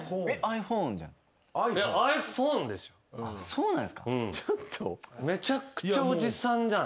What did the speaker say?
そうなんですか？